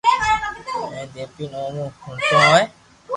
ھين دييون مون ھوڻتو ھوئي